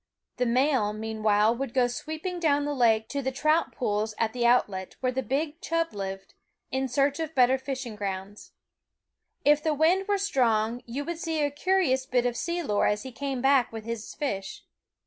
The male, mean while, would go sweeping down the lake to the trout pools at the outlet, where the big chub lived, in search of better fishing grounds. If the wind were strong, you would see a curious bit of sea lore as he came back with his fish.